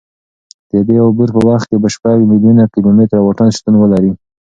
د دې عبور په وخت کې به شپږ میلیونه کیلومتره واټن شتون ولري.